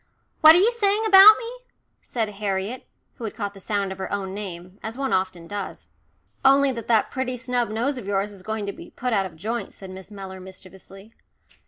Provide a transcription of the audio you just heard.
"What are you saying about me?" said Harriet, who had caught the sound of her own name, as one often does. "Only that that pretty snub nose of yours is going to be put out of joint," said Miss Mellor mischievously.